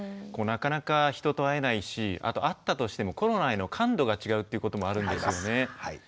なかなか人と会えないしあと会ったとしてもコロナへの感度が違うっていうこともあるんですよね。